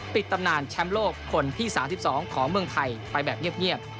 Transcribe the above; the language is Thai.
ตำนานแชมป์โลกคนที่๓๒ของเมืองไทยไปแบบเงียบ